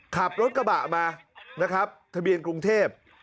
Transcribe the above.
ขับรถกระบะมานะครับทะเบียนกรุงเทพ